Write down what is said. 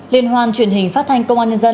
liên hoan truyền hình phát thanh công an nhân dân